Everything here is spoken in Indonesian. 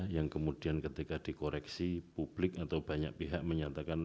yang kemudian ketika dikoreksi publik atau banyak pihak menyatakan